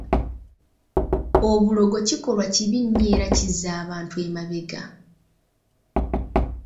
Obulogo kikolwa kibi nnyo era kizza abantu emabega.